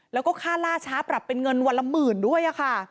แล้วก็ค่าล่าช้าปรับเป็นเงินวันละหมื่นด้วยค่ะ